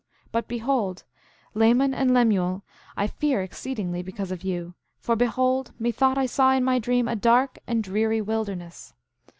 8:4 But behold, Laman and Lemuel, I fear exceedingly because of you; for behold, methought I saw in my dream, a dark and dreary wilderness.